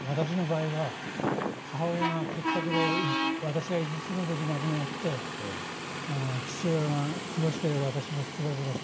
私の場合は母親が結核で私が５つのときに亡くなって父親は苦労して私を育てました。